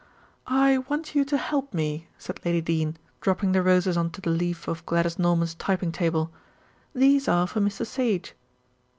"I want you to help me," said Lady Dene, dropping the roses on to the leaf of Gladys Norman's typing table. "These are for Mr. Sage."